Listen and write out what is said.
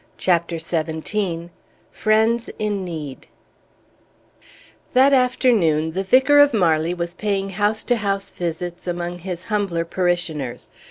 CHAPTER XVII FRIENDS IN NEED That afternoon the Vicar of Marley was paying house to house visits among his humbler parishioners.